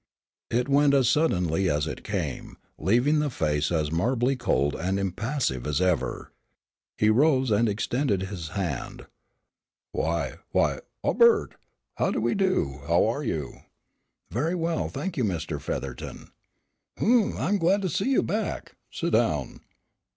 It went as suddenly as it came, leaving the face as marbly cold and impassive as ever. He rose and extended his hand, "Why why ah Bert, how de do, how are you?" "Very well, I thank you, Mr. Featherton." "Hum, I'm glad to see you back, sit down.